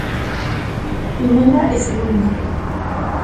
Primeira e segunda.